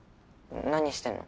何してんの？